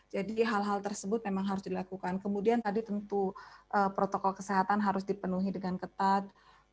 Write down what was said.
jadi hal hal tersebut memang harus dilakukan kemudian tadi tentu protokol kesehatan harus dipenuhi dengan ketat